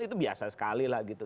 itu biasa sekali lah gitu